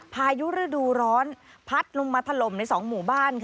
พายุฤดูร้อนพัดลงมาถล่มในสองหมู่บ้าน